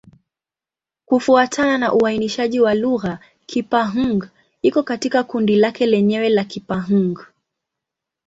Kufuatana na uainishaji wa lugha, Kipa-Hng iko katika kundi lake lenyewe la Kipa-Hng.